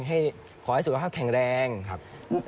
ขอให้สุขภาพแข็งแรงครับ